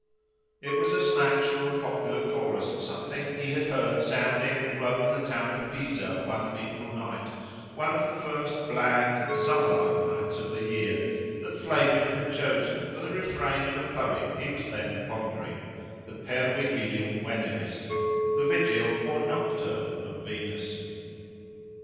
It was a snatch from a popular chorus, something he had heard sounding all over the town of Pisa one April night, one of the first bland and summer like nights of the year, that Flavian had chosen for the refrain of a poem he was then pondering—the Pervigilium Veneris—the vigil, or "nocturn," of Venus.